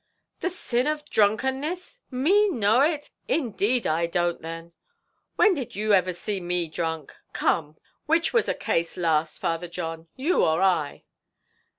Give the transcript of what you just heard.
"The sin of drunkenness! me know it! Indeed I don't then. When did you ever see me drunk? Come, which was a case last, Father John you or I?"